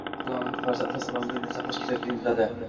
Oqila ona farzandi salomatligini saqlash kerakligini biladi.